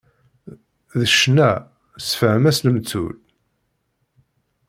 D ccna, sefhem-as lemtul.